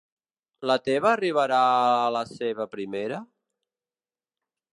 La teva arribarà a la seva primera?